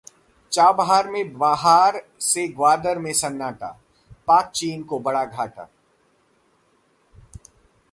Chabahar में बहार से ग्वादर में सन्नाटा, पाक-चीन को बड़ा घाटा